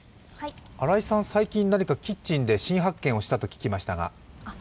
新井さん、最近、何かキッチンで新発見をしたと聞きましたが。